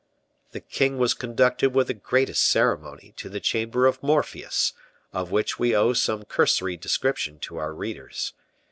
The king was conducted with the greatest ceremony to the chamber of Morpheus, of which we owe some cursory description to our readers.